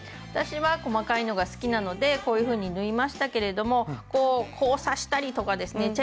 私は細かいのが好きなのでこういうふうに縫いましたけれどもこう交差したりとかですね